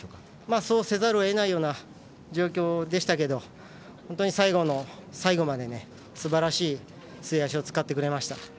そうせざるをえない状況だったんですけど本当に最後の最後まですばらしい末脚を使ってくれました。